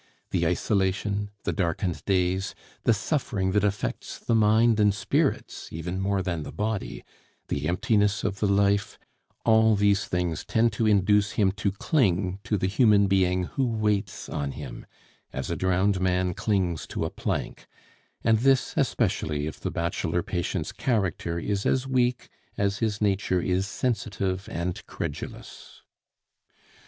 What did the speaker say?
The isolation, the darkened days, the suffering that affects the mind and spirits even more than the body, the emptiness of the life, all these things tend to induce him to cling to the human being who waits on him as a drowned man clings to a plank; and this especially if the bachelor patient's character is as weak as his nature is sensitive and incredulous.